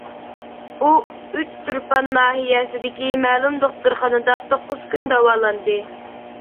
ئۇ ئۇچتۇرپان ناھىيەسىدىكى مەلۇم دوختۇرخانىدا توققۇز كۈن داۋالاندى.